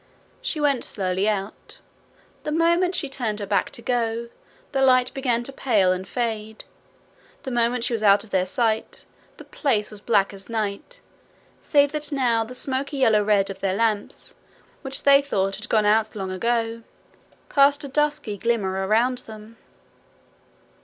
She went slowly out. The moment she turned her back to go, the light began to pale and fade; the moment she was out of their sight the place was black as night, save that now the smoky yellow red of their lamps, which they thought had gone out long ago, cast a dusky glimmer around them.